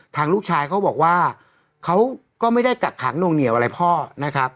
ทางลูกชายเขาบอกว่าเขาก็ไม่ได้กักขังนวงเหนียวอะไรพ่อนะครับ